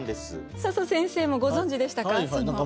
笹先生もご存じでしたか？